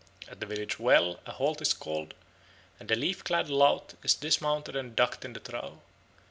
At the village well a halt is called and the leaf clad lout is dismounted and ducked in the trough.